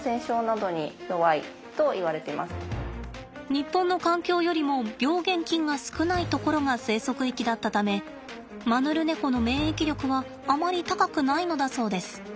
日本の環境よりも病原菌が少ない所が生息域だったためマヌルネコの免疫力はあまり高くないのだそうです。